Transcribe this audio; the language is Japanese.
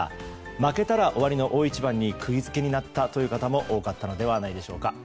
負けたら終わりの大一番に釘付けになったという方も多かったのではないでしょうか。